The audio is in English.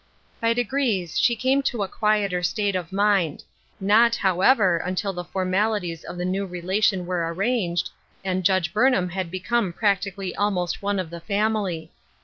By degrees she came to a quieter state of mind — not, however, until the formalities of the new relation were arranged, and Jadge 260 Ruth JErsJcine's Crosses. Burnham had become practically almost one of the family.